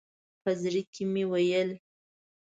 په زړه کې مې ویل.